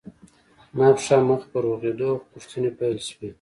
زما پښه مخ په روغېدو وه خو پوښتنې پیل شوې